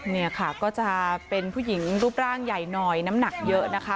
นี่ค่ะก็จะเป็นผู้หญิงรูปร่างใหญ่หน่อยน้ำหนักเยอะนะคะ